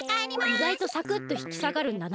いがいとサクッとひきさがるんだな。